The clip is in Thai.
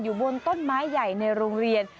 อยู่บนต้นไม้ใหญ่ในโรงเรียน